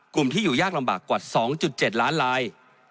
กลุ่มที่อยู่ยากลำบากกว่า๒๗ล้านลาย